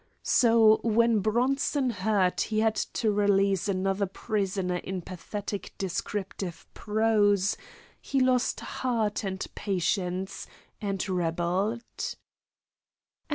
So, when Bronson heard he had to release another prisoner in pathetic descriptive prose, he lost heart and patience, and rebelled.